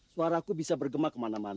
suara aku bisa bergema kemana mana